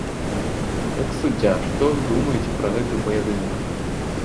Як суддзя, што вы думаеце пра гэты паядынак?